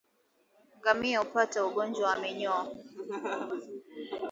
Ngamia hupata ugonjwa wa minyoo